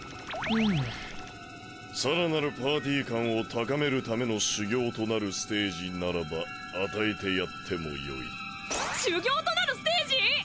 ふむさらなるパーティ感を高めるための修行となるステージならば与えてやってもよい修行となるステージ！？